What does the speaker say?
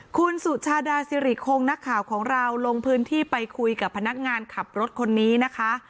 คุณสุชาดาสิริคงนักข่าวของเราลงพื้นที่ไปคุยกับพนักงานขับรถคนนี้นะคะ